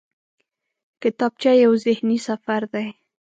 کتابچه یو ذهني سفر دی